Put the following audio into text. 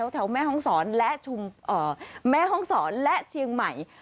แถวแม่ฮองศรและเทียงใหม่